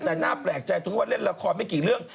แต่น่าแปลกใจถึงว่าเล่นละครไม่กี่เรื่อง